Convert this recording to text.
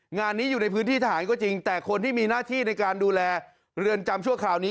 งานนี้อยู่ในพื้นที่ทหารก็จริงแต่คนที่มีหน้าที่ในการดูแลเรือนจำชั่วคราวนี้